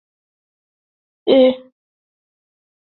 Watu ishirini na wanne wafariki katika mafuriko Uganda